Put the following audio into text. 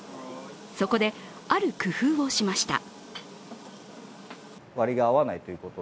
そこで、ある工夫をしました。